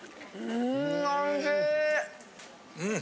うん！